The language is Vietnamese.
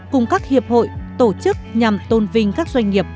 cùng các hiệp hội tổ chức nhằm tôn vinh các doanh nghiệp